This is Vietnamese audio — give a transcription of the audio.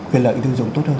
cái lợi tiêu dùng tốt hơn